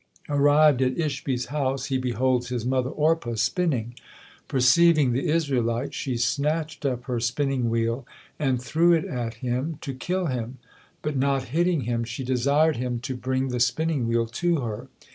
Arrived at Ishbi's house, he beholds his mother Orpa spinning. Perceiving the Israelite, she snatched up her spinning wheel and threw it at him, to kill him; but not hitting him, she desired him to bring the spinning wheel to her.